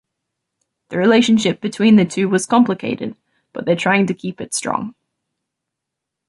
The relationship between the two was complicated, but they're trying to keep it strong.